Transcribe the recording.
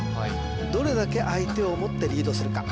どれだけ相手を思ってリードするか